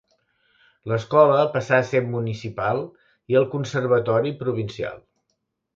L'Escola passà a ser municipal i el conservatori provincial.